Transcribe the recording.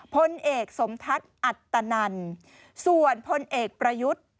พลเอกสมทัศน์อัตนันส่วนพลเอกประยุทธ์